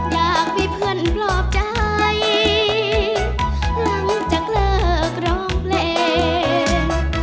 อยากให้เพื่อนปลอบใจหลังจากเลิกร้องเพลง